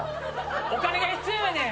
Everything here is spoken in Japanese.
お金が必要やねん。